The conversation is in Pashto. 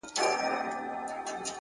خپل هدف ته وفادار اوسئ!